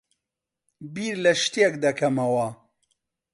بیر لە شتێک دەکەمەوە.